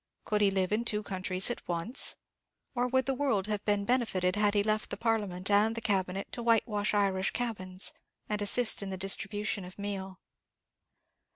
Could he live in two countries at once? or would the world have been benefited had he left the Parliament and the Cabinet, to whitewash Irish cabins, and assist in the distribution of meal?